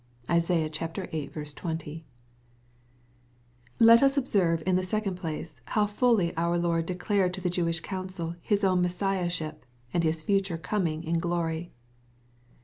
'' (Isai. viii. 20.) ) I Let us observe, in the second place, how fully our 'Lord declared to the Jewish council His own Messiahship^ and His future coming in glory.